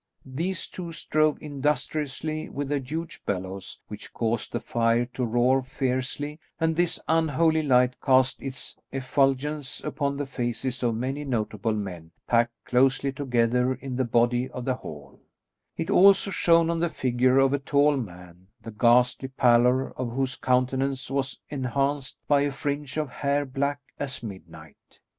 These two strove industriously with a huge bellows which caused the fire to roar fiercely, and this unholy light cast its effulgence upon the faces of many notable men packed closely together in the body of the hall; it also shone on the figure of a tall man, the ghastly pallor of whose countenance was enhanced by a fringe of hair black as midnight.